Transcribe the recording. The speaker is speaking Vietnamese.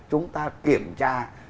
chúng ta kiểm tra